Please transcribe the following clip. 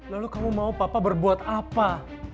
lalu kamu mau papa berbuat apa